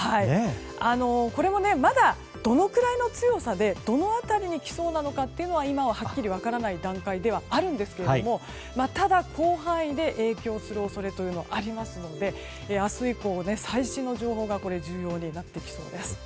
これもね、まだどのくらいの強さでどの辺りに来そうなのかというのは今ははっきり分からない段階ではあるんですがただ、広範囲で影響する恐れがありますので明日以降の最新の情報が重要になってきそうです。